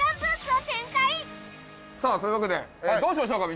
さあというわけでどうしましょうか？